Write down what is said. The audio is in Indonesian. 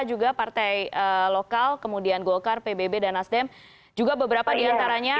juga partai lokal kemudian golkar pbb dan nasdem juga beberapa diantaranya